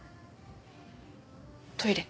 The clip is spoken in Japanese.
トイレ？